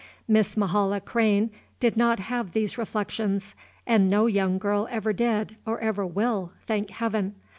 Miss Mahala Crane did not have these reflections; and no young girl ever did, or ever will, thank Heaven!